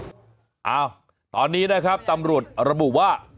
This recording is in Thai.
อ้าวตอนนี้นะครับตำรวจระบุว่า